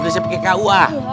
udah siap kayak kua